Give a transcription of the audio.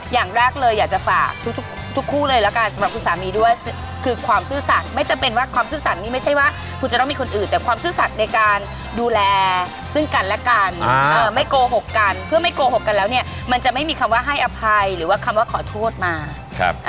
อย่างแรกเลยอยากจะฝากทุกทุกคู่เลยแล้วกันสำหรับคุณสามีด้วยคือความซื่อสัตว์ไม่จำเป็นว่าความซื่อสัตว์นี่ไม่ใช่ว่าคุณจะต้องมีคนอื่นแต่ความซื่อสัตว์ในการดูแลซึ่งกันและกันไม่โกหกกันเพื่อไม่โกหกกันแล้วเนี่ยมันจะไม่มีคำว่าให้อภัยหรือว่าคำว่าขอโทษมาครับ